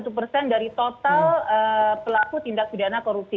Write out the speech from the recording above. jadi total pelaku tindak pidana korupsi